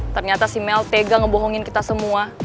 ternyata si mell tega ngebohongin kita semua